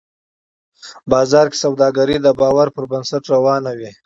بازار کې سوداګري د باور پر بنسټ روانه وي